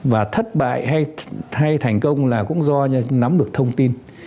và thất bại hay thành công là cũng do nắm được thông tin